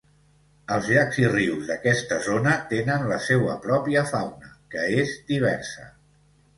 Els llacs i rius d'aquesta zona tenen la seua pròpia fauna, que és diversa.